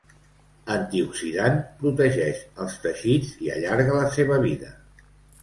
Antioxidant, protegeix els teixits i allarga la seva vida.